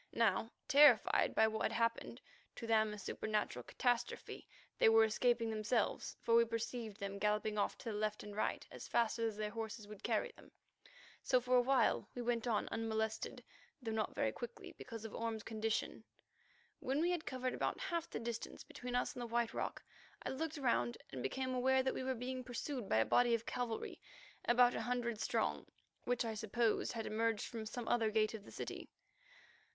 Now, terrified by what had happened, to them a supernatural catastrophe, they were escaping themselves, for we perceived them galloping off to the left and right as fast as their horses would carry them. So for awhile we went on unmolested, though not very quickly, because of Orme's condition. When we had covered about half the distance between us and the White Rock, I looked round and became aware that we were being pursued by a body of cavalry about a hundred strong, which I supposed had emerged from some other gate of the city.